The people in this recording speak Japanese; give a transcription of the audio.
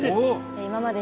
今まで